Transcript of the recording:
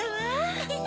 ウフフ。